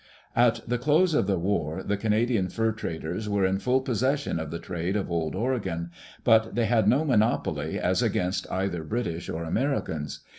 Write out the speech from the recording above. At the close of the war, the Canadian fur traders were in full possession of the trade of Old Oregon, but they had no monopoly as against either British or Americans.